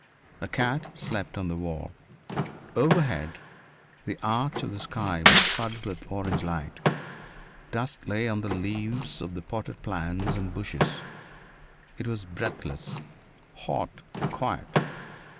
A cat slept on the wall. Overhead the arch of the sky was flooded with orange light. Dust lay on the leaves of the potted plants and bushes. It was breathless, hot, quiet.